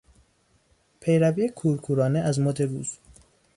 پیروی کورکورانه از مد روز